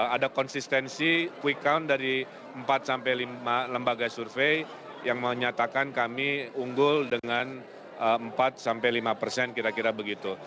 ada konsistensi quick count dari empat sampai lima lembaga survei yang menyatakan kami unggul dengan empat sampai lima persen kira kira begitu